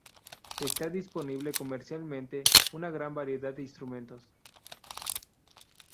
Está disponible comercialmente una gran variedad de instrumentos.